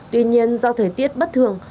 tuy nhiên do thời tiết bất thường